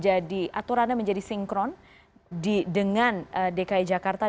aturannya menjadi sinkron dengan dki jakarta